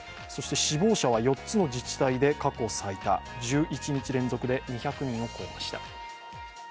死亡者は４つの自治体で過去最多１１日連続で２００人を超えました。